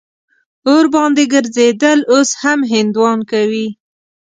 اور باندې ګرځېدل اوس هم هندوان کوي.